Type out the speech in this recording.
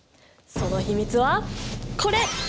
その秘密はこれ！